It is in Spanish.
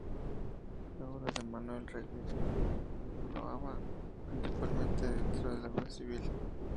La obra de Manuel Reguera se engloba principalmente dentro de la Obra Civil.